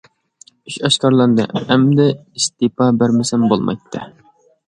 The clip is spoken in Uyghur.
ئىش ئاشكارىلاندى، ئەمدى ئىستېپا بەرمىسەم بولمايتتى.